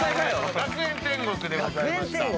『学園天国』でございました。